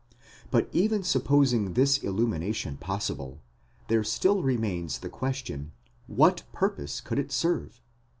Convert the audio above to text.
But even supposing this illumination possible, there still remains the question, what purpose could it serve?